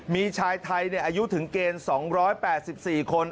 มีชายไทยอายุถึงเกณฑ์๒๘๔คน